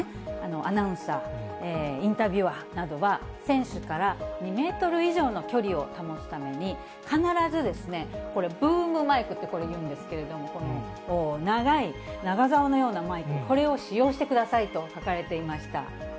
アナウンサー、インタビュアーなどは、選手から２メートル以上の距離を保つために、必ず、ブームマイクって、これいうんですけれども、この長い、長ざおのようなマイク、これを使用してくださいと書かれていました。